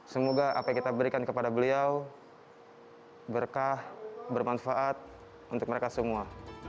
semoga apa yang kita berikan kepada beliau berkah bermanfaat untuk mereka semua